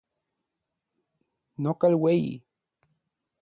Nokal ueyi.